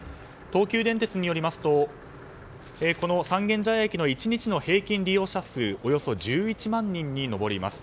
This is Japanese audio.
東急電鉄によりますとこの三軒茶屋駅の１日の平均利用者数はおよそ１１万人に上ります。